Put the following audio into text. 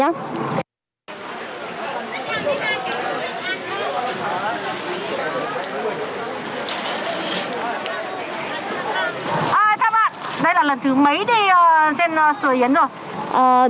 chào các bạn đây là lần thứ mấy đi trên sửa yến rồi